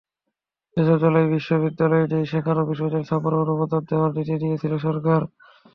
যেসব জেলায় বিশ্ববিদ্যালয় নেই, সেখানে বিশ্ববিদ্যালয় স্থাপনের অনুমোদন দেওয়ার নীতি নিয়েছিল সরকার।